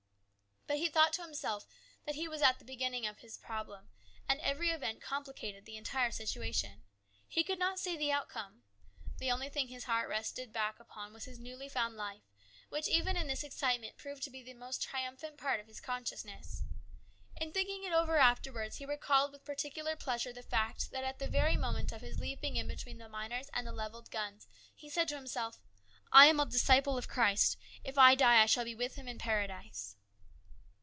But he thought to himself that he was at the very beginning of his problem, and every event complicated the entire situation. He could not see the outcome. The only thing his heart rested back upon was his newly found life, which even in this excitement proved to be the most triumphant part of his consciousness. In thinking it over afterwards he 120 HIS BROTHER'S KEEPER. recalled with particular pleasure the fact that at the very moment of his leaping in between the miners and the levelled guns he said to himself, " I am a disciple of Christ. If I die, I shall be with Him in Paradise."